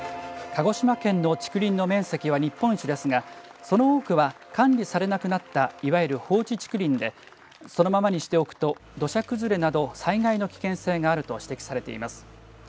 鹿児島県の竹林の面積は日本一ですがその多くは管理されなくなったいわゆる放置竹林でそのままにしておくと土砂崩れなど災害の危険性があると指摘されています。